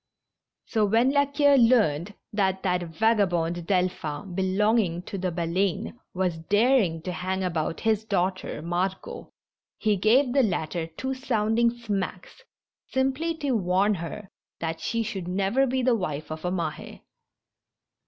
So when La Queue learned that that vagabond Delphin, belong ing to the Baleine^ was daring to hang about his daughter, Margot, he gave the latter two sounding smacks, simply to warn her that she should never be the wife of a Mahe.